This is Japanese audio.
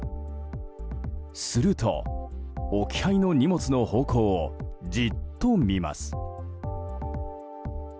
すると、置き配の荷物の方向をじっと見ます。